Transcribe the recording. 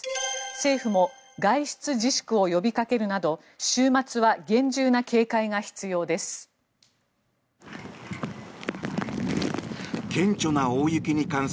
政府も外出自粛を呼びかけるなど週末は厳重な警戒が必要です。